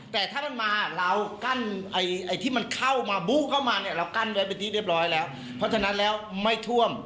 แต่ถ้ามันมาเรากั้นไอ้ที่มันเข้ามาบู้เข้ามาเนี่ยเรากั้นไว้เป็นที่เรียบร้อยแล้วเพราะฉะนั้นแล้วไม่ท่วม